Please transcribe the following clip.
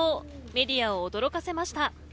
メディアを驚かせました。